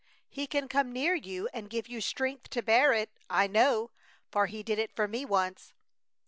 "He can come near you and give you strength to bear it. I know, for He did it for me once!"